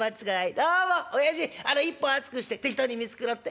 どうもおやじあの１本熱くして適当に見繕って。